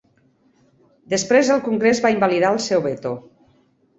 Després el Congrés va invalidar el seu veto.